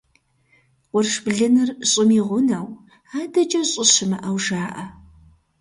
Къурш блыныр – щӀым и гъунэу, адэкӀэ щӀы щымыӀэу жаӀэ.